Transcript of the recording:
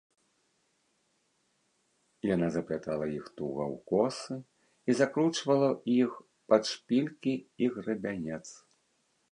Яна заплятала іх туга ў косы і закручвала іх пад шпількі і грабянец.